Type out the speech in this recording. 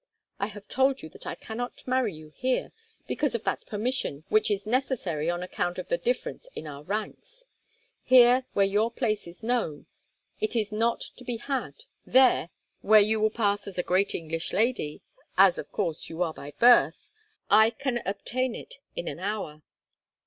I have told you that I cannot marry you here because of that permission which is necessary on account of the difference in our ranks. Here, where your place is known, it is not to be had; there, where you will pass as a great English lady—as of course you are by birth—I can obtain it in an hour.